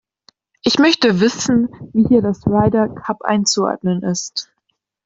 Ich möchte wissen, wie hier das Ryder Cup einzuordnen ist.